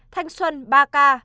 thanh xuân ba ca